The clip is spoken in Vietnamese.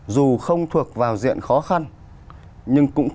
dù không thuộc vào diện khó khăn